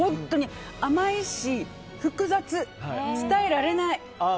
甘いし複雑、伝えられない。